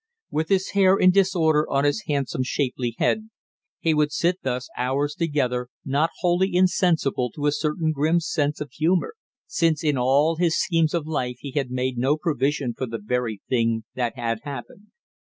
With his hair in disorder on his handsome shapely head, he would sit thus hours together, not wholly insensible to a certain grim sense of humor, since in all his schemes of life he had made no provision for the very thing that had happened.